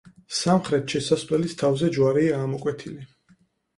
სამხრეთ შესასვლელის თავზე ჯვარია ამოკვეთილი.